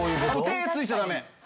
手をついちゃダメ！